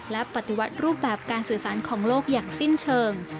และปฏิรูปแบบการสื่อสารของโลกอย่างสิ้นเชิง